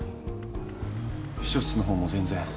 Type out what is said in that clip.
秘書室のほうも全然。